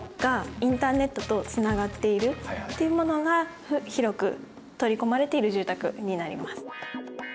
インターネットとつながっているっていうものが広く取り込まれている住宅になります。